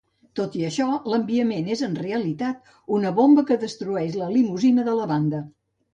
Tot i això, l'enviament és en realitat una bomba que destrueix la limusina de la banda.